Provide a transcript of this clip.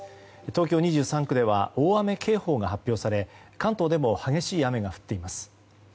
東京２３区では大雨警報が発表され関東でも激しい雨が降っています。